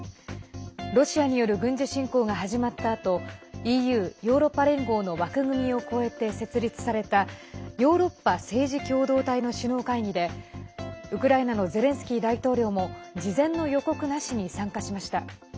ロシアによる軍事侵攻が始まったあとＥＵ＝ヨーロッパ連合の枠組みを越えて設立されたヨーロッパ政治共同体の首脳会議でウクライナのゼレンスキー大統領も事前の予告なしに参加しました。